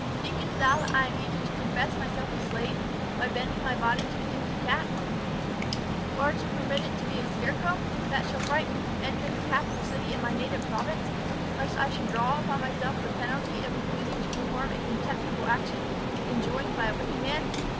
"Thinkest thou that I am either to confess myself a slave, by bending my body to an empty cap, or to permit it to be a scarecrow, that shall fright me from entering the capital city of my native province, lest I should draw upon myself the penalty of refusing to perform a contemptible action, enjoined by a wicked man?